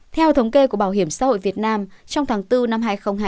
theo thống kê của bảo hiểm xã hội việt nam trong tháng bốn năm hai nghìn hai mươi bốn